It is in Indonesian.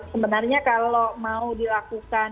sebenarnya kalau mau dilakukan